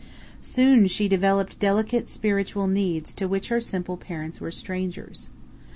Soon she developed delicate spiritual needs to which her simple parents were strangers.